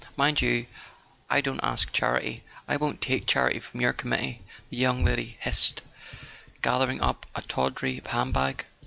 "Mind you, I don't ask charity—I won't take charity from your committee !" the young lady hissed, gather¬ ing up a tawdry hand bag.